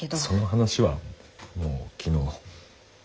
その話はもう昨日。